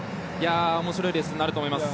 面白いレースになると思います。